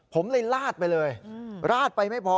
ผมเลยลาดไปเลยลาดไปไม่พอ